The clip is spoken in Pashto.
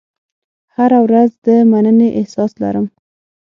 هره ورځ د مننې احساس لرم.